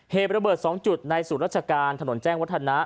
เหตุระเบิด๒จุดในศูนย์ราชการถนนแจ้งวัฒนะ